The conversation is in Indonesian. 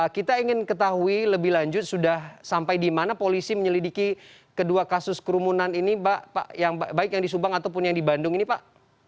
kita ingin ketahui lebih lanjut sudah sampai di mana polisi menyelidiki kedua kasus kerumunan ini baik yang di subang ataupun yang di bandung ini pak